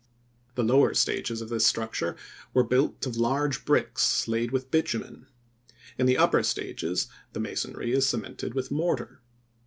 The lower stages of this structure were built of large bricks laid with bitumen. In the upper stages the masonry is cemented with mortar.